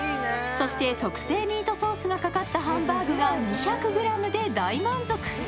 そして特製ミートソースがかかったハンバーグが２００ｇで大満足。